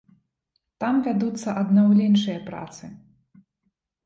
Там вядуцца аднаўленчыя працы.